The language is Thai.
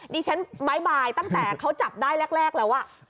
ดิฉันบ๊ายบายตั้งแต่เขาจับได้แรกแล้ว